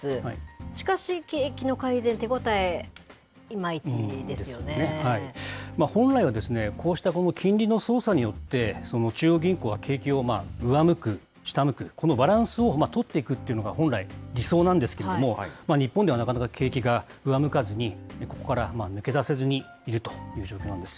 しかし、景気の改善、手応え、い本来はですね、こうしたこの金利の操作によって、中央銀行は景気を上向く、下向く、このバランスを取っていくっていうのが、本来、理想なんですけれども、日本ではなかなか景気が上向かずに、ここから抜け出せずにいるという状況なんです。